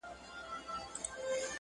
د ودانیو معمارانو ته ځي!!